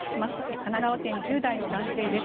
神奈川県、１０代の男性です。